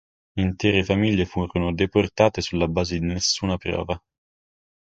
Intere famiglie furono deportate sulla base di nessuna prova.